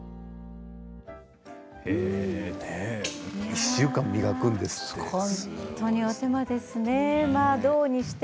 １週間磨くんですって。